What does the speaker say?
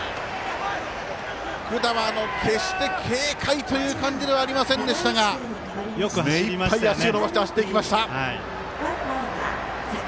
福田は決して軽快という感じではありませんでしたが目いっぱい足を伸ばして走っていきました。